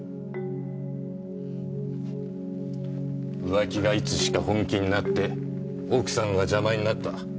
浮気がいつしか本気になって奥さんが邪魔になった。